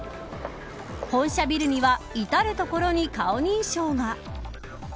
本社ビルには至る所に顔認証が。